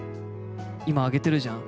今上げてるじゃん。